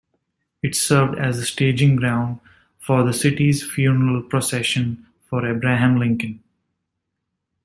It served as the staging ground for the city's funeral procession for Abraham Lincoln.